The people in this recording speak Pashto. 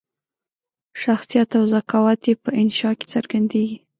شخصیت او ذکاوت یې په انشأ کې څرګندیږي.